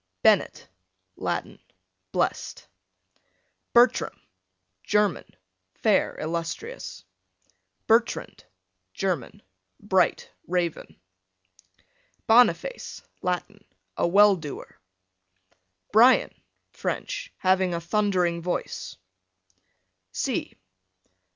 Bennett, Latin, blessed. Bertram, German, fair, illustrious. Bertrand, German, bright, raven. Boniface, Latin, a well doer. Brian, French, having a thundering voice.